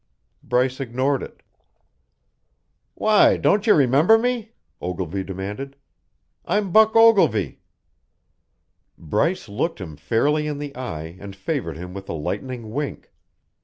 Bryce ignored it. "Why, don't you remember me?" Ogilvy demanded. "I'm Buck Ogilvy." Bryce looked him fairly in the eye and favoured him with a lightning wink.